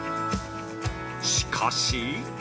しかし◆